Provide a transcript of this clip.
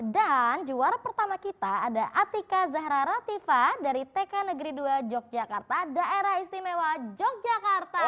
dan juara pertama kita ada atika zahra rativa dari tk negeri dua yogyakarta daerah istimewa yogyakarta